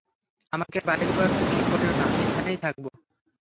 আমাকে বাইর করার চেষ্টা কইরো না, আমি এইখানেই থাকবো।